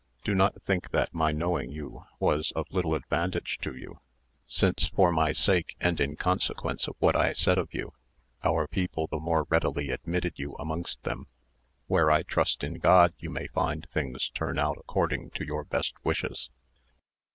"Do not think that my knowing you was of little advantage to you, since for my sake, and in consequence of what I said of you, our people the more readily admitted you amongst them, where I trust in God you may find things turn out according to your best wishes.